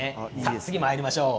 次にまいりましょう。